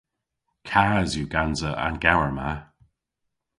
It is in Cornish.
Kas yw gansa an gewer ma.